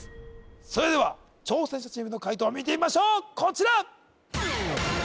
それでは挑戦者チームの解答を見てみましょうこちら！